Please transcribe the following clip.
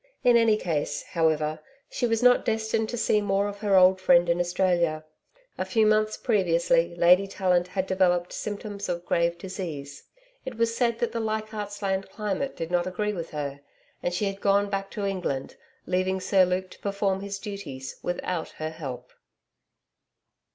In any case, however, she was not destined to see more of her old friend in Australia. A few months previously, Lady Tallant had developed symptoms of grave disease it was said that the Leichardt's Land climate did not agree with her, and she had gone back to England, leaving Sir Luke to perform his duties without her help.